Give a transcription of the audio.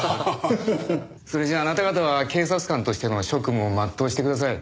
それじゃああなた方は警察官としての職務を全うしてください。